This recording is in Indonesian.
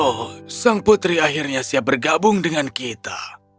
oh sang putri akhirnya siap bergabung dengan kita